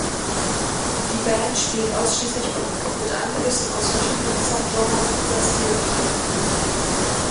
Die Band spielt ausschließlich Punk, mit Einflüssen aus verschiedenen Subgenres dieser Stilrichtung.